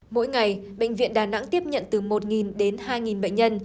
mỗi ngày bệnh viện đà nẵng tiếp nhận từ một đến hai bệnh nhân